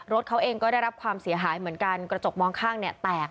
รถเขาเองก็ได้รับความเสียหายเหมือนกันกระจกมองข้างเนี่ยแตก